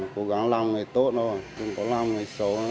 cố gắng làm người tốt thôi không có làm người xấu nữa